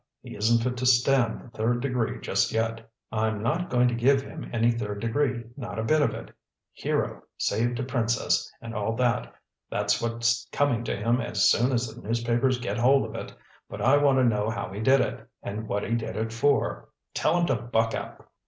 He isn't fit to stand the third degree just yet." "I'm not going to give him any third degree, not a bit of it. 'Hero! Saved a Princess!' and all that. That's what's coming to him as soon as the newspapers get hold of it. But I want to know how he did it, and what he did it for. Tell him to buck up."